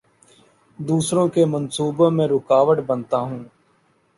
دوسروں کے منصوبوں میں رکاوٹ بنتا ہوں